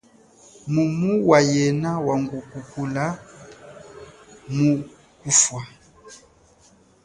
Mumu wa yena wangukula mu kufa.